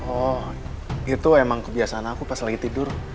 oh itu emang kebiasaan aku pas lagi tidur